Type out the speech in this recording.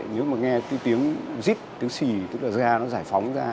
nếu mà nghe cái tiếng giít tiếng xì tức là ga nó giải phóng ra